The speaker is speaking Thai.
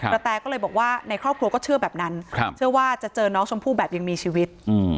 แตก็เลยบอกว่าในครอบครัวก็เชื่อแบบนั้นเชื่อว่าจะเจอน้องชมพู่แบบยังมีชีวิต